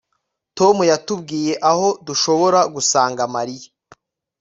Tom yatubwiye aho dushobora gusanga Mariya